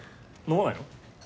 飲まないの？